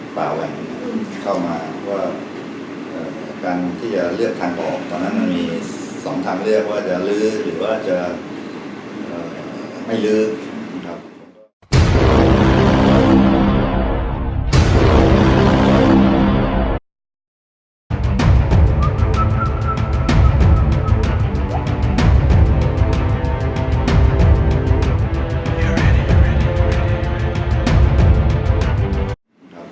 เข้ามาเพราะว่าการที่จะเลือกทางออกตอนนั้นมันมีสองทางเลือกว่าจะลื้อหรือว่าจะไม่ลื้อครับ